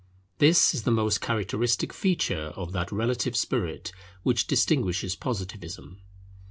This is the most characteristic feature of that relative spirit which distinguishes Positivism.